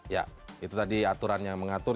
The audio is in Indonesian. ya itu tadi aturan yang mengatur